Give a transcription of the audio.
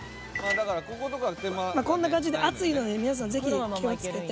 こんな感じで熱いので皆さんぜひ気をつけて。